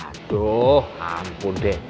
aduh ampun deh